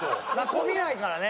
こびないからね。